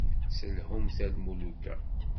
Selhumt-t a lmuluka.